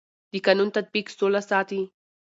د قانون تطبیق سوله ساتي